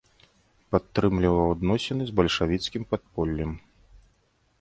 Падтрымліваў адносіны з бальшавіцкім падполлем.